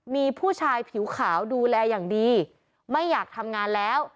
มีผู้ชายผิวขาวดูแลอย่างดีไม่อยากทำงานแล้ว